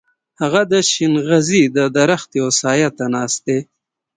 هغه د شينغزي د درختې و سايه ته ناست دی.